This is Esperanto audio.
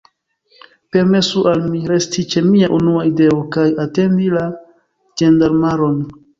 Permesu al mi, resti ĉe mia unua ideo, kaj atendi la ĝendarmaron.